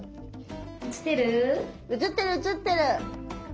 映ってる映ってる。